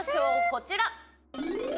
こちら。